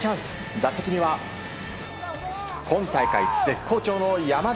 打席には今大会絶好調の山田。